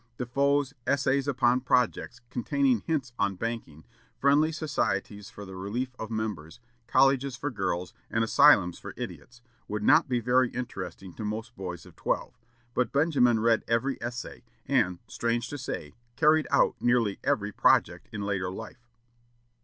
Defoe's "Essays upon Projects," containing hints on banking, friendly societies for the relief of members, colleges for girls, and asylums for idiots, would not be very interesting to most boys of twelve, but Benjamin read every essay, and, strange to say, carried out nearly every "project" in later life.